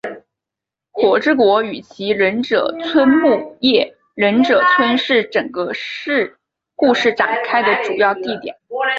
火之国与其忍者村木叶忍者村是整个故事展开的主要地点。